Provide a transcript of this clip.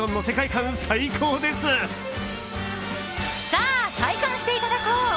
さあ、体感していただこう。